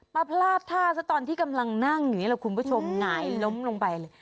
มาพลาดท่าเมื่อที่นั่งอย่างนี้แล้วคุณผู้ชมหงายล้มลงไปเลย